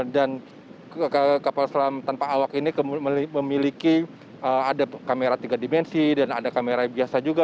dan kapal selam tanpa awak ini memiliki ada kamera tiga dimensi dan ada kamera biasa juga